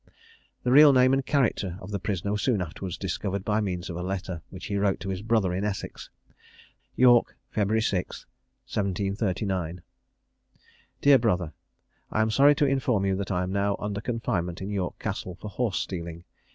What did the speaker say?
The real name and character of the prisoner were soon afterwards discovered by means of a letter, which he wrote to his brother in Essex. The letter was as follows: "York, February 6, 1739. "DEAR BROTHER, I am sorry to inform you that I am now under confinement in York Castle for horse stealing.